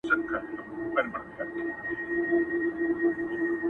تر شا مي زر نسلونه پایېدلې، نور به هم وي.